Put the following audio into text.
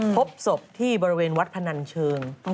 พบศพที่บริเวณวัดพนันเชิง